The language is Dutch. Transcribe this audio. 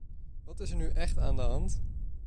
Wat is er nu echt aan de hand?